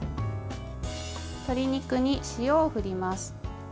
鶏肉に塩を振ります。